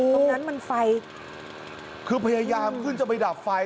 ตรงนั้นมันไฟคือพยายามขึ้นจะไปดับไฟ